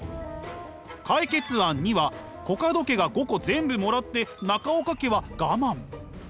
解決案②はコカド家が５個全部もらって中岡家は我慢。